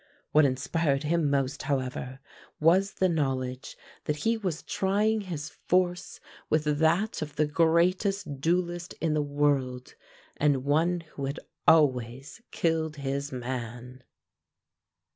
What inspired him most, however, was the knowledge that he was trying his force with that of the greatest duellist in the world, and one who had always killed his man.